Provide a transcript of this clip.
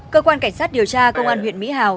cơ quan cảnh sát điều tra công an huyện mỹ hào